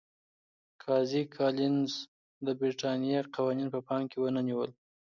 قاضي کالینز د برېټانیا قوانین په پام کې ونه نیول.